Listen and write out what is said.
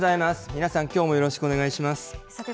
皆さんきょうもよろしくお願いしさて